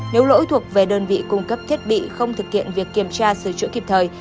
nếu lỗi thuộc về đơn vị cung cấp thiết bị không thực hiện việc kiểm tra sửa chữa kịp thời